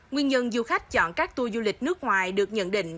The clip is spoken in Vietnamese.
nguyên nhân du khách chọn các tour du lịch nước ngoài được nhận định